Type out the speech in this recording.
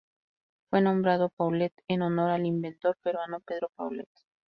Fue nombrado Paulet en honor al inventor peruano Pedro Paulet.